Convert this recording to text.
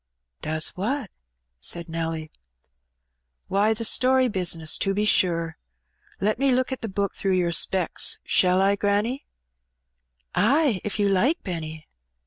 '* ''Does what?'' said Nelly. ''Why, the story bizness, to be sure. Let me look at the book through your specks, shall I, granny?'' " Ay, if you like, Benny."